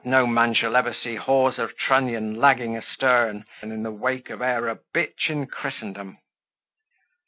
no man shall ever see Hawser Trunnion lagging astern, in the wake of e'er a b in Christendom."